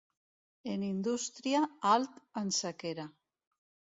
En indústria, alt en sequera.